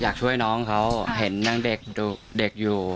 อยากช่วยน้องเขาเห็นยังเด็กอยู่